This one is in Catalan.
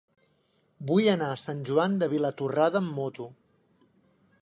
Vull anar a Sant Joan de Vilatorrada amb moto.